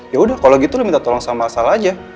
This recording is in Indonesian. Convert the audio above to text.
yaudah kalo gitu lo minta tolong sama sal aja